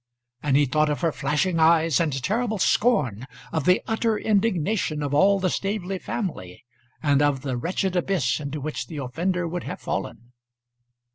And he thought of her flashing eyes and terrible scorn, of the utter indignation of all the Staveley family, and of the wretched abyss into which the offender would have fallen.